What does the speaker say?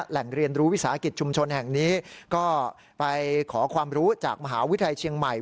แหล่งเรียนรู้วิสาหกิจชุมชนแห่งนี้ก็ไปขอความรู้จากมหาวิทยาลัยเชียงใหม่